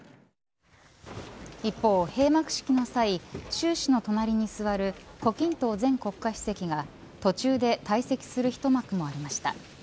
一方、閉幕式の際習氏の隣に座る胡錦濤前国家主席が途中で退席する一幕もありました。